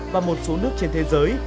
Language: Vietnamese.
và một số nước trên thế giới